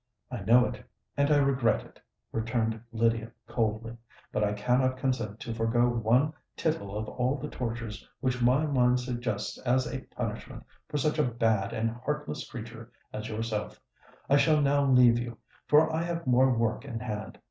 "I know it—and I regret it," returned Lydia coldly: "but I cannot consent to forego one tittle of all the tortures which my mind suggests as a punishment for such a bad and heartless creature as yourself. I shall now leave you; for I have more work in hand.